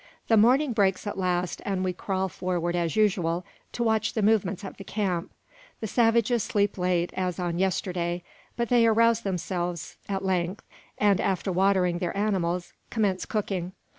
The morning breaks at last, and we crawl forward as usual, to watch the movements of the camp. The savages sleep late, as on yesterday; but they arouse themselves at length, and after watering their animals, commence cooking.